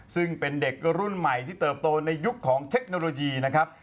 ซึ่งเป็นเด็กรุ่นใหม่ที่เติบโตในยุคของเทคโนโลยีนะครับ